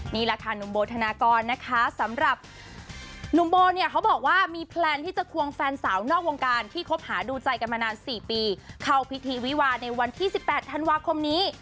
นี่แหละค่ะหนุ่มโบธนากรนะคะสำหรับหนุ่มโบเนี่ยเขาบอกว่ามีแพลนที่จะควงแฟนสาวนอกวงการที่คบหาดูใจกันมานาน๔ปีเข้าพิธีวิวาในวันที่๑๘ธันวาคมนี้